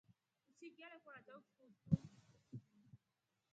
Mshiki alekora choa kisusu.